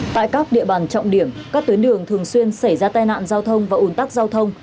tại các địa bàn trọng điểm các tuyến đường thường xuyên xảy ra tai nạn giao thông và ủn tắc giao thông